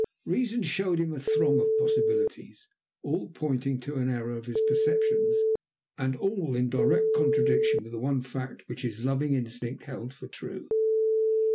Reason showed him a throng of possibilities, all pointing to an error of his perceptions and all in direct contradiction with the one fact which his loving instinct held for true.